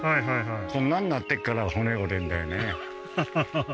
こんなんなってっから骨折れんだよねははは